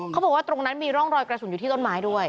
เขาบอกว่าตรงนั้นมีร่องรอยกระสุนอยู่ที่ต้นไม้ด้วย